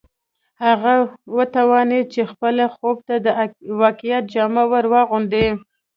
هغه وتوانېد چې خپل خوب ته د واقعیت جامه ور واغوندي